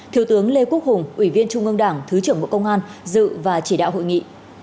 thiếu tướng lê quốc hùng ủy viên trung ương đảng thứ trưởng bộ công an dự và chỉ đạo hội nghị